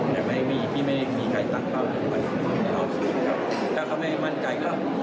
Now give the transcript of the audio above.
แต่ก็ไม่มีเงินไทย